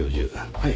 はい。